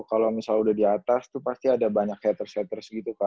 kalau lu udah di atas tuh pasti ada banyak haters haters gitu kan